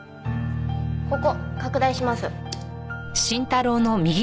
ここ拡大します。